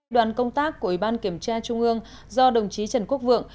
đoàn công tác của ủy ban kiểm tra trung ương do đồng chí trần quốc vượng